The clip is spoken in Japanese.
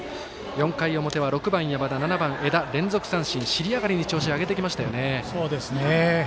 ４回表は６番、山田、７番、江田連続三振、尻上がりに調子を上げてきましたよね。